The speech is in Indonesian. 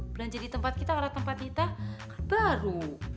belanja di tempat kita karena tempat kita baru